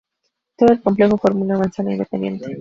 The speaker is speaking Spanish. Todo el complejo forma una manzana independiente.